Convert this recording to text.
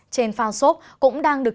trên phao sốt cũng đang được